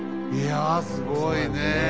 いやすごいねえ！